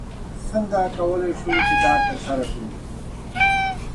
څنګه کولی شو چې دا ترسره کړو؟